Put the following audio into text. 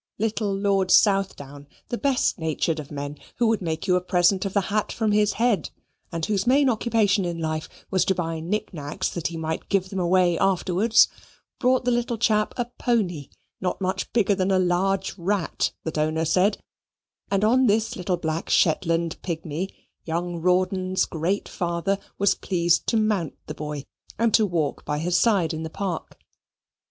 Little Lord Southdown, the best natured of men, who would make you a present of the hat from his head, and whose main occupation in life was to buy knick knacks that he might give them away afterwards, bought the little chap a pony not much bigger than a large rat, the donor said, and on this little black Shetland pygmy young Rawdon's great father was pleased to mount the boy, and to walk by his side in the park.